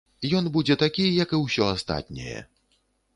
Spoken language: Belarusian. Ён будзе такі, як і ўсё астатняе.